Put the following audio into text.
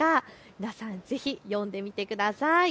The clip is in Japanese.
皆さん、ぜひ読んでみてください。